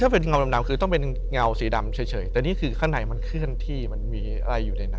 เป็นเงาดำคือต้องเป็นเงาสีดำเฉยแต่นี่คือข้างในมันเคลื่อนที่มันมีอะไรอยู่ในนั้น